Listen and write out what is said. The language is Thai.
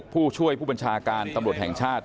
พูดช่วยผู้บรรชาการตร่วทแห่งชาติ